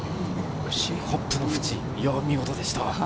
ホップのふち、見事でした。